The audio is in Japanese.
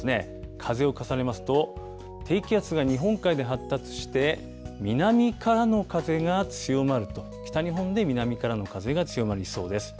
風を重ねますと、低気圧が日本海で発達して、南からの風が強まると、北日本で南からの風が強まりそうです。